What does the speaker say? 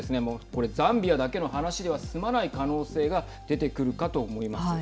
これ、ザンビアだけの話ではすまない可能性が出てくるかと思います。